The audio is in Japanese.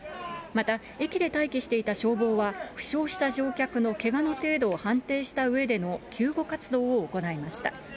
また駅で待機していた消防は、負傷した乗客のけがの程度を判定したうえでの救護活動を行いました。